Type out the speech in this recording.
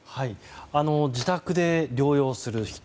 自宅で療養する人